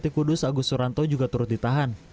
bupati kudus agus suranto juga turut ditahan